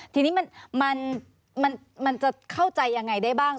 ทีนี้มันจะเข้าใจยังไงได้บ้าง